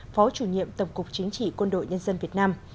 phó chủ nhiệm tổng cục chính trị quân đội nhân dân việt nam